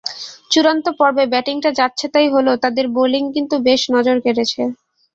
চূড়ান্ত পর্বে ব্যাটিংটা যাচ্ছেতাই হলেও তাদের বোলিং কিন্তু বেশ নজর কেড়েছে।